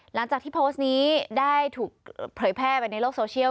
หลังจากที่โพสต์นี้ได้ถูกเผยแพร่ไปในโลกโซเชียล